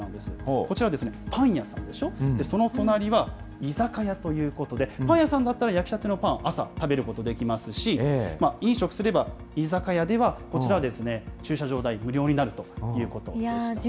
こちらはですね、パン屋さんでしょ、その隣は居酒屋ということで、パン屋さんだったら焼きたてのパン、朝、食べることできますし、飲食すれば、居酒屋では、こちらは駐車場代無料になるということでしたね。